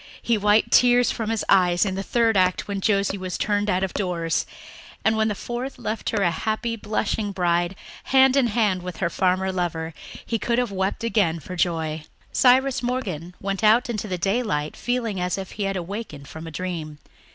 He wiped tears from his eyes in the third act when Josie was turned out of doors and, when the fourth left her a happy, blushing bride, hand in hand with her farmer lover, he could have wept again for joy. Cyrus Morgan went out into the daylight feeling as if he had awakened from a dream.